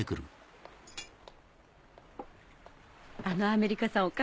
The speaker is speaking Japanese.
あのアメリカさん